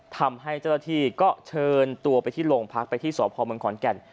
ทำให้เจ้าหน้าที่ก็เชิญตัวไปที่โรงพักไปที่สพเมืองขอนแก่น